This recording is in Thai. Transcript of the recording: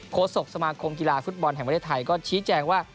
โค้ดศกสมาคมกีฬาฟุตบอลแห่งเวลาไทยก็ชี้แจงว่า